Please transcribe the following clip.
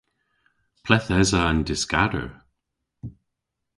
Ple'th esa an dyskador?